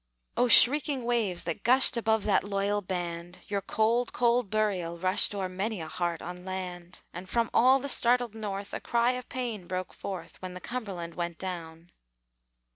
O shrieking waves that gushed Above that loyal band, Your cold, cold burial rushed O'er many a heart on land! And from all the startled North A cry of pain broke forth, When the Cumberland went down.